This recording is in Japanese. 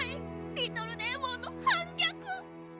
リトルデーモンの反逆。